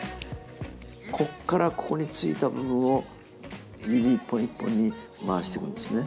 ここからここについた部分を指一本一本に回していくんですね。